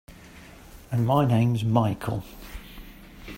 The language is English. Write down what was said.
And my name's Michael.